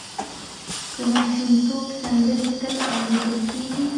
د ماشومتوب سندرې تل اورېدل کېږي.